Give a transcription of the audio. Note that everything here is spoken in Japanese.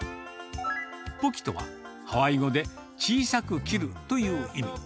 ポキとは、ハワイ語で小さく切るという意味。